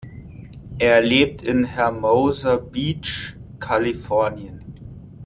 Er lebt in Hermosa Beach, Kalifornien.